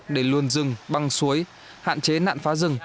để luồn rừng băng suối hạn chế nạn phá rừng